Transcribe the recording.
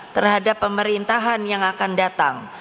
terhadap pemerintahan yang akan datang